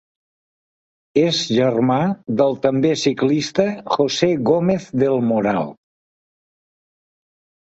És germà del també ciclista José Gómez del Moral.